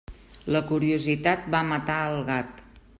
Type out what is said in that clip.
La curiositat va matar el gat.